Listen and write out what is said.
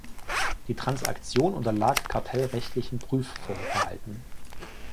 Die Transaktion unterlag kartellrechtlichen Prüf-Vorbehalten.